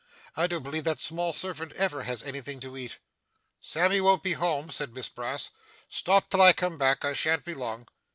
I don't believe that small servant ever has anything to eat.' 'Sammy won't be home,' said Miss Brass. 'Stop till I come back. I sha'n't be long.